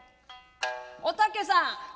「おたけさん